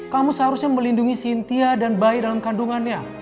kamu seharusnya melindungi cynthia dan bayi dalam kandungannya